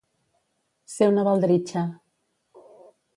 Ser una baldritxa.